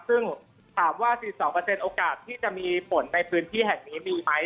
ซึ่งถามว่า๔๒เปอร์เซ็นต์โอกาสที่จะมีผลในพื้นที่แห่งนี้มีไหม